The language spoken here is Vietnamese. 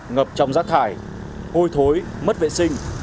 ngập trong rác thải hôi thối mất vệ sinh